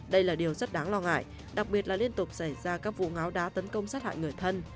đây là điều rất đáng lo ngại đặc biệt là liên tục xảy ra các vụ ngáo đá tấn công sát hại người thân